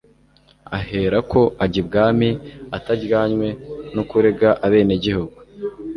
ahera ko ajya ibwami, atajyanywe no kurega abenegihugu